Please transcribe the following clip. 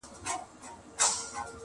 • چي د وخت له تاریکیو را بهر سي..